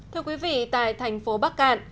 thưa quý vị tại thành phố bắc cạn